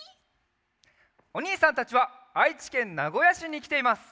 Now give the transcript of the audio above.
おにいさんたちはあいちけんなごやしにきています。